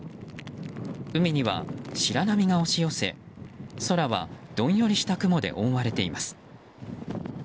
海には白波が押し寄せ、空はどんよりした雲で覆われています。